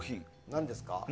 何ですか？